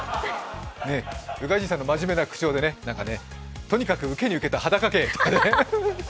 宇賀神さんが真面目な口調でね、とにかくウケにウケた裸芸って。